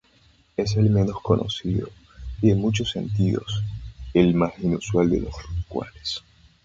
Es el menos conocido, y en muchos sentidos, el más inusual de los rorcuales.